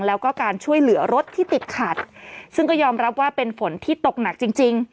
แล้วก็การช่วยเหลือรถที่ติดขัดซึ่งก็ยอมรับว่าเป็นฝนที่ตกหนักจริงจริง